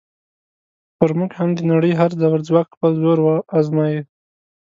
پر موږ هم د نړۍ هر زبرځواک خپل زور ازمایه.